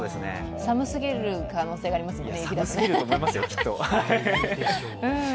寒すぎる可能性がありますね。